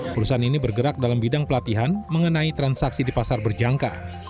perusahaan ini bergerak dalam bidang pelatihan mengenai transaksi di pasar berjangka